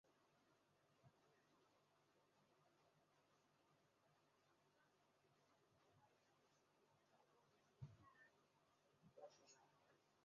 如意草为堇菜科堇菜属的植物。